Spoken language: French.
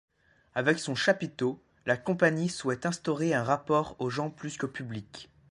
Avec son chapiteau, la compagnie souhaite instaurer un rapport aux gens plus qu'au public.